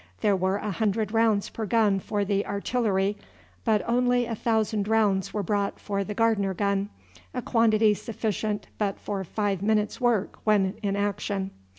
There were a hundred rounds per gun for the artillery, but only a thousand rounds were brought for the Gardner gun, a quantity sufficient but for five minutes' work when in action.